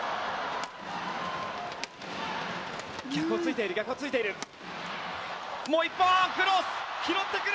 逆をついている、逆をついている。